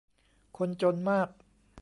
คนจนมาก